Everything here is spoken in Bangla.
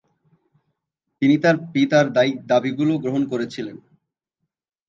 তিনি তার পিতার দাবিগুলো গ্রহণ করেছিলেন।